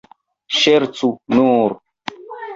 Ŝercu nur!